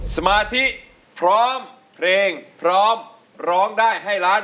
สมาธิพร้อมเพลงพร้อมร้องได้ให้ล้าน